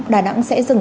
đà nẵng sẽ dừng